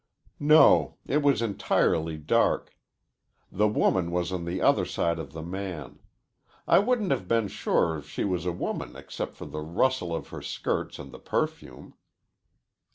"No. It was entirely dark. The woman was on the other side of the man. I wouldn't have been sure she was a woman except for the rustle of her skirts and the perfume."